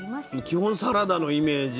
基本サラダのイメージ？